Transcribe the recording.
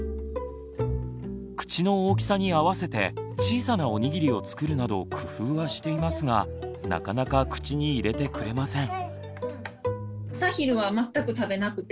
口の大きさに合わせて小さなおにぎりを作るなど工夫はしていますがなかなか口に入れてくれません。